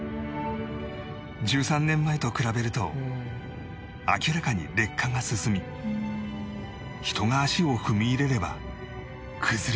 １３年前と比べると明らかに劣化が進み人が足を踏み入れれば崩れてしまうという